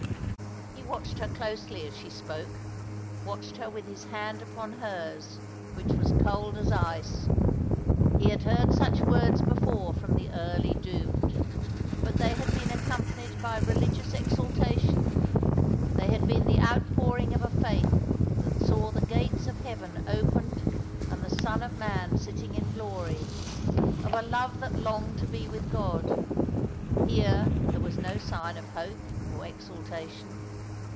He watched her closely as she spoke, watched her with hia hand upon hers, which was cold as ice. He had heard such words before from the early doomed, but they had been accompanied by religious exaltation ; they had been the out pouring of a faith that saw the gates of heaven opened and the Son of man sitting in glory— of a love that longed to be with God. Here there was no sign of hope or exaltation.